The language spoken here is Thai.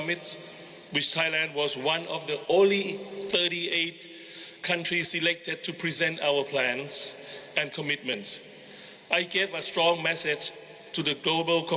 เวที๕๐และยังมีฆ่าจังหลังว่า๐เป็น๒๐๖๕